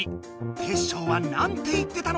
テッショウはなんて言ってたのか